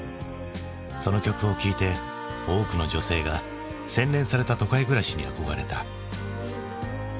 その曲を聴いて多くの女性が洗練された都会暮らしに憧れた。